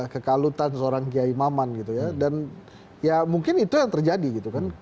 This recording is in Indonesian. kekalutan seorang kiai maman gitu ya dan ya mungkin itu yang terjadi gitu kan